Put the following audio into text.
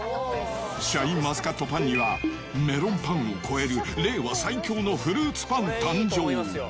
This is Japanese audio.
シャインマスカットパンには、メロンパンを超える令和最強のフルーツパン誕生。